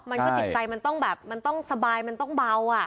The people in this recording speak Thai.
มันก็จิตใจมันต้องแบบมันต้องสบายมันต้องเบาอ่ะ